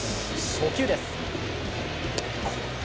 初球です。